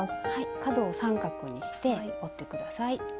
角を三角にして折って下さい。